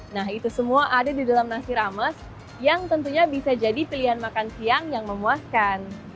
nah itu semua ada di dalam nasi rames yang tentunya bisa jadi pilihan makan siang yang memuaskan